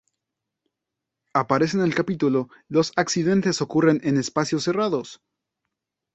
Aparece en el capítulo ""Los accidentes ocurren en espacios cerrados!